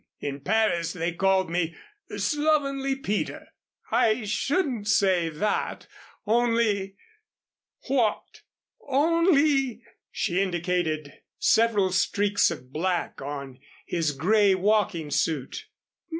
In Paris they called me Slovenly Peter." "I shouldn't say that only " "What?" "Only " she indicated several streaks of black on his grey walking suit.